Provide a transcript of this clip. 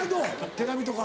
手紙とか。